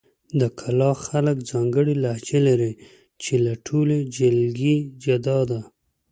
د کلاخ خلک ځانګړې لهجه لري، چې له ټولې جلګې جدا ده.